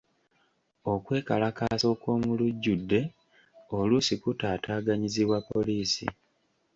Okwekalakaasa okw'omulujjudde oluusi kutaataaganyizibwa poliisi.